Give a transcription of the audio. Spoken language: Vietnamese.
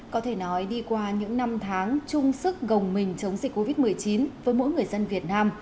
có thể nói đi qua những năm tháng chung sức gồng mình chống dịch covid một mươi chín với mỗi người dân việt nam